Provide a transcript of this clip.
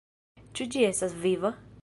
Ĉu ĝi estas viva?